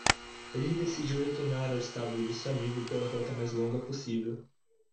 Ele decidiu retornar ao estábulo de seu amigo pela rota mais longa possível.